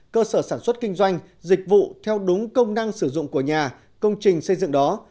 cơ sở sản xuất kinh doanh dịch vụ theo đúng công năng sử dụng của nhà công trình xây dựng đó